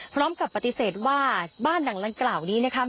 พร้อมกับปฏิเสธว่าบ้านหลังดังกล่าวนี้นะคะ